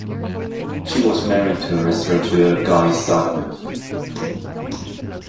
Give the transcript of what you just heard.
She was married to restaurateur Guy Starkman.